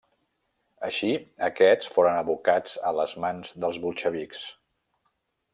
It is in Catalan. Així aquests foren abocats a les mans dels bolxevics.